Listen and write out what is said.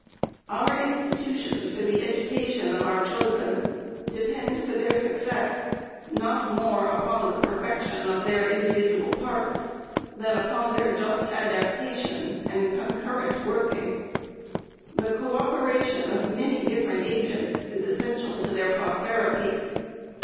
Our institutions for the education of our children de pend for their success not more upon the perfection of their individual parts than upon their just adaptation and concurrent working. The co operation of many dif ferent agents is essential to their prosperity.